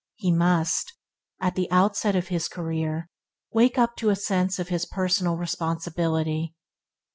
He must, at the outset of his career, wake up to a sense of his personnel responsibility.